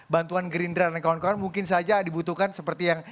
bantuan gerindra dan kawan kawan mungkin saja dibutuhkan seperti yang